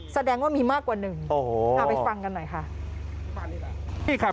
ต้องมาจากบ้านคนงามครับ